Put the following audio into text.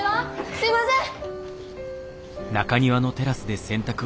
すいません！